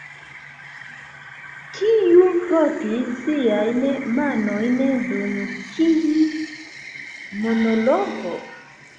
Kiu frotis siajn manojn dum tiu monologo?